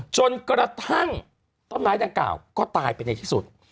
จนกระทั่งต้นไม้ดังกล่าวก็ตายไปในที่สุด